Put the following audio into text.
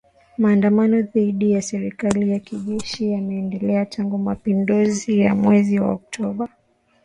Maandamano dhidi ya serikali ya kijeshi yameendelea tangu mapinduzi ya mwezi wa Oktoba